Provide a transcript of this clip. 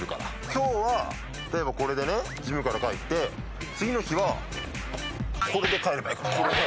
今日は例えばこれでジムから帰って次の日はこれで帰ればいいからこれで。